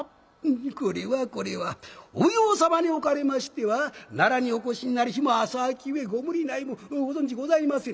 「これはこれはお奉行様におかれましては奈良にお越しになり日も浅きゆえご無理ないもご存じございませぬ。